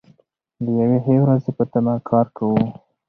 د یوې ښې ورځې په تمه کار کوو.